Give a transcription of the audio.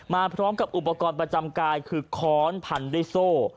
มาพร้อมกับอุปกรณ์ประจำกายคือค้อนพันด้วยโซ่